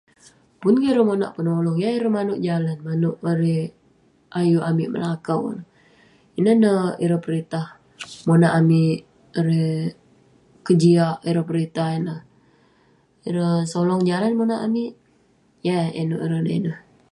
Pun ke ireh monak penolong. Yah ireh maneuk jalan, maneuk erei, ayuk amik melakau. Inen neh ireh peritah monak amik erei kejiak ireh peritah ineh. Ireh solong jalan monak amik. Yah eh eh neuk ireh da ineh.